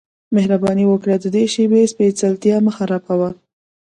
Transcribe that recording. مهرباني وکړه د دې شیبې سپیڅلتیا مه خرابوه